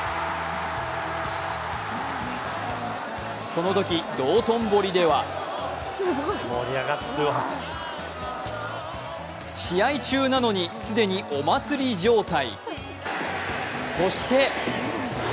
そのとき、道頓堀では試合中なのに既にお祭り状態。